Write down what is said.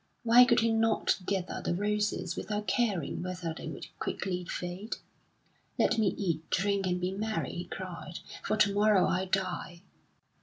Why could he not gather the roses without caring whether they would quickly fade? "Let me eat, drink, and be merry," he cried, "for to morrow I die!"